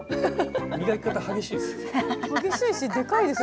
磨き方激しいです。